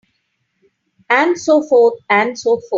And so forth and so forth.